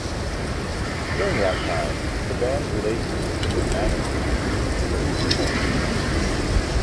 During that time, the band's relationship with their manager had reached a critical point.